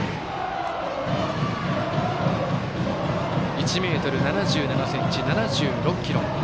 １ｍ７７ｃｍ、７６ｋｇ。